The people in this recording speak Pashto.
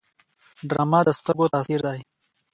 ډرامه د سترګو تاثیر دی